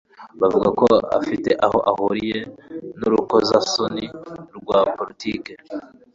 bavuga ko afite aho ahuriye n'urukozasoni rwa politiki